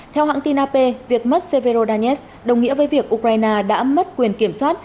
theo hãng tin ap việc mất severodonets đồng nghĩa với việc ukraine đã mất quyền kiểm soát